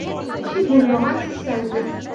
أُحب اللغات السامية.